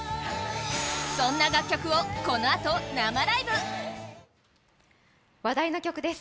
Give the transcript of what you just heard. そんな楽曲をこのあと、生ライブ話題の曲です。